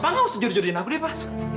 pak enggak usah juri juriin aku deh pak